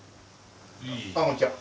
ああこんにちは。